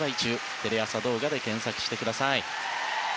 テレ朝動画で検索してください。